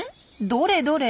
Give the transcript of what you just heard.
どれどれ？